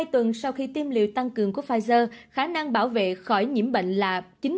hai tuần sau khi tiêm liều tăng cường của pfizer khả năng bảo vệ khỏi nhiễm bệnh là chín mươi